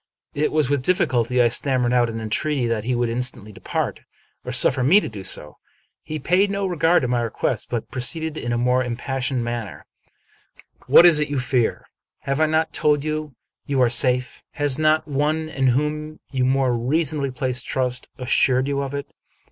It was with difficulty I stammered out an entreaty that he would instantly depart, or suffer me to do so. He paid no regard to my request, but proceeded in a more impassioned manner :—" What is it you fear ? Have I not told you you are safe ? Has not one in whom you more reasonably place trust as sured you of it?